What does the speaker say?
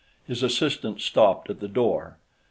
His assistant stopped at the door.